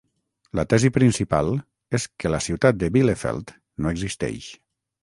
La tesi principal és que la ciutat de Bielefeld no existeix.